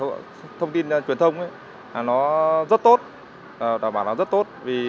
sở thông tin truyền thông nó rất tốt đảm bảo nó rất tốt